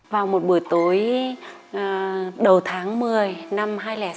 vào một buổi tối đầu tháng một mươi năm hai nghìn sáu